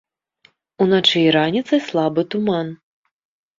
Уначы і раніцай слабы туман.